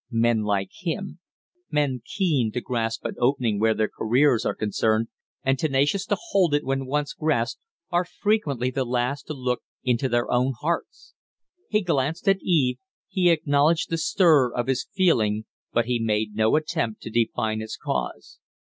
Men like him men keen to grasp an opening where their careers are concerned, and tenacious to hold it when once grasped are frequently the last to look into their own hearts. He glanced at Eve, he acknowledged the stir of his feeling, but he made no attempt to define its cause.